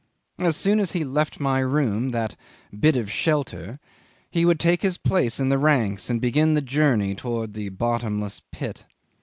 As soon as he left my room, that "bit of shelter," he would take his place in the ranks, and begin the journey towards the bottomless pit.